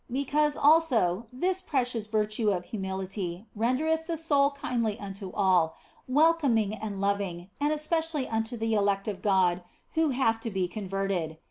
Because, also, this precious virtue of humility rendereth the soul kindly unto all, welcome and loving, and especially unto the elect of God who have to be converted.